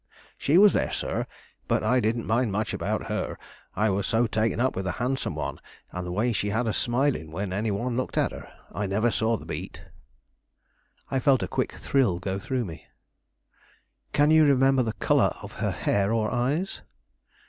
"She was there, sir; but I didn't mind much about her, I was so taken up with the handsome one and the way she had of smiling when any one looked at her. I never saw the beat." I felt a quick thrill go through me. "Can you remember the color of her hair or eyes?"